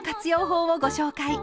法をご紹介。